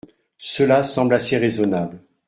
Cela semble assez raisonnable.